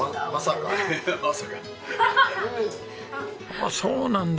あっそうなんだ。